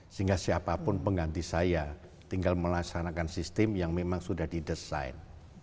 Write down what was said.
sehingga siapapun pengganti saya tinggal melaksanakan sistem yang memang sudah didesain